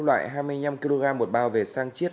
loại hai mươi năm kg một bao về sang chiết